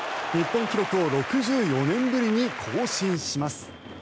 日本記録を６４年ぶりに更新します。